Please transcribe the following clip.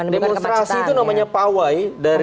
demonstrasi itu namanya pawai